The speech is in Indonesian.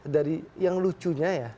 dari yang lucunya ya